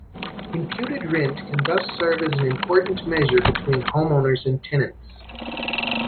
Imputed rent can thus serve as an important measure between home owners and tenants.